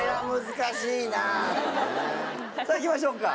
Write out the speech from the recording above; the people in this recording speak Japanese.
さぁ行きましょうか。